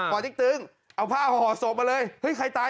ติ๊กตึงเอาผ้าห่อศพมาเลยเฮ้ยใครตาย